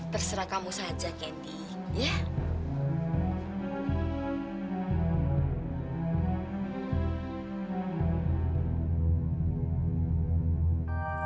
terserah kamu saja kt ya